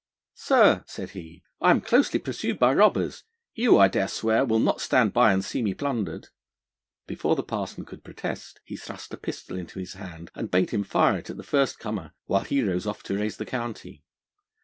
'Sir,' said he, 'I am closely pursued by robbers. You, I dare swear, will not stand by and see me plundered.' Before the parson could protest, he thrust a pistol into his hand, and bade him fire it at the first comer, while he rode off to raise the county.